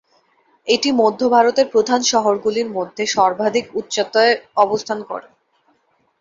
এটি মধ্য ভারতের প্রধান শহরগুলির মধ্যে সর্বাধিক উচ্চতায় অবস্থান করে।